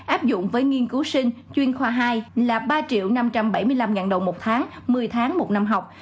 áp dụng với nghiên cứu sinh chuyên khoa hai là ba năm trăm bảy mươi năm đồng một tháng một mươi tháng một năm học